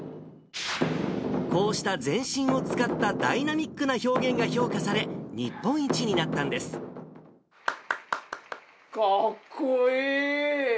こうした全身を使ったダイナミックな表現が評価され、日本一になかっこいい。